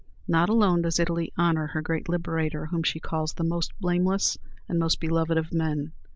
Not alone does Italy honor her great Liberator, whom she calls the "most blameless and most beloved of men."